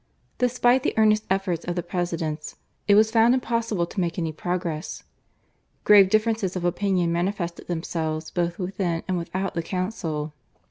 Despite the earnest efforts of the presidents it was found impossible to make any progress. Grave differences of opinion manifested themselves both within and without the council.